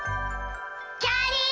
⁉きゃりー！